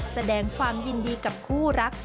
แสดงความยินดีกับคู่รัก